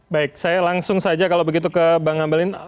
baik saya langsung saja kalau begitu ke bang ngabalin